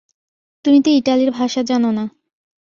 তুমি তো ইটালির ভাষা জানো না।